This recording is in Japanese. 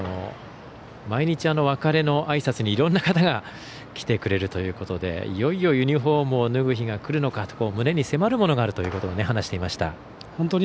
毎日、別れのあいさつにいろんな方が来てくれるということでいよいよユニフォームを脱ぐ日が来るのかと胸の迫るものがあると話していました。